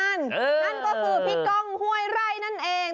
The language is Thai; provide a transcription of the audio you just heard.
นั่นก็คือพี่ก้องห้วยไร่นั่นเอง